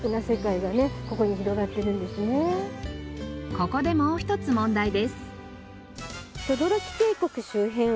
ここでもう一つ問題です。